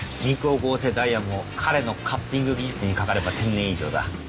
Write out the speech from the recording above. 人工合成ダイヤも彼のカッティング技術にかかれば天然以上だ。